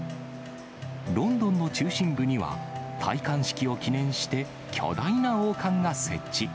ロンドンの中心部には、戴冠式を記念して巨大な王冠が設置。